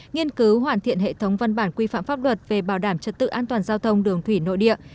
nghiên cứu hoàn thiện hệ thống văn bản quy phạm pháp luật về bảo đảm trật tự an toàn giao thông đường thủy nội địa